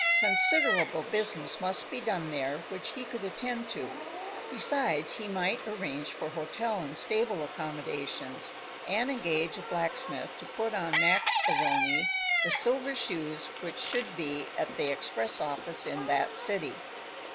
Considerable business must be done there which he could attend to, besides, he might arrange for hotel and stable accommodations, and engage a blacksmith to put on Mac A'Rony the silver shoes which should be at the express office in that city.